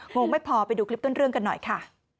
งงไม่พอไปดูคลิปต้นเรื่องกันหน่อยค่ะ